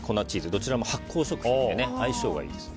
どちらも発酵食品で相性がいいです。